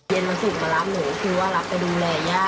เย็นวันศุกร์มารับหนูคือว่ารับไปดูแลย่า